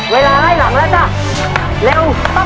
เวลาไล่หลังแล้วจ๊ะ